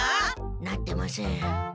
なってません。